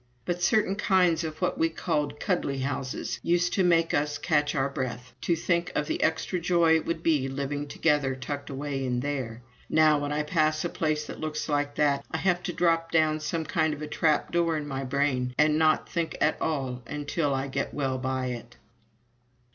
But certain kinds of what we called "cuddly" houses used to make us catch our breaths, to think of the extra joy it would be living together tucked away in there. Now, when I pass a place that looks like that, I have to drop down some kind of a trap door in my brain, and not think at all until I get well by it.